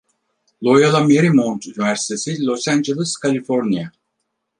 Loyola Marymount Üniversitesi, Los Angeles, Kaliforniya.